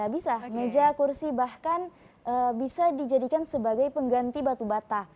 bisa meja kursi bahkan bisa dijadikan sebagai pengganti batu bata